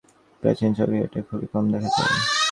প্রাচীন সময় থেকে এটা খুবই কম দেখা যায়।